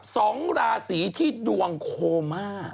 สองราศีที่ดวงโคม่า